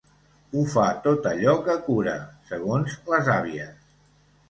Ho fa tot allò que cura, segons les àvies.